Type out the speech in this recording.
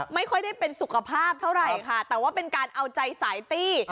ไม่ค่อยได้เป็นสุขภาพเท่าไหร่ค่ะแต่ว่าเป็นการเอาใจสายตี้